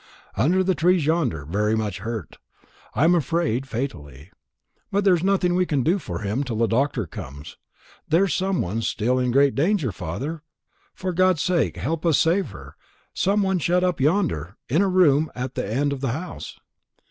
"Under the trees yonder, very much hurt; I'm afraid fatally. But there's nothing we can do for him till the doctor comes. There's someone in still greater danger, father. For God's sake, help us to save her some one shut up yonder, in a room at that end of the house."